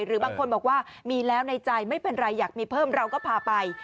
หรือบางคนบอกว่ามีแล้วในใจไม่เป็นไรอยากมีเพิ่มเราก็พาไป